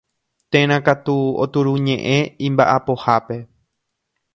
Térã katu oturuñe'ẽ imba'apohápe.